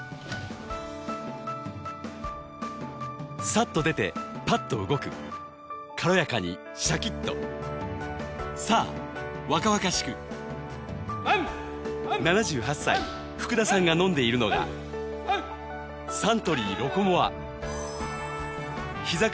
さっと出てパッと動く軽やかにシャキッと７８歳福田さんが飲んでいるのがサントリー「ロコモア」ひざ